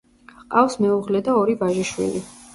ჰყავს მეუღლე და ორი ვაჟიშვილი.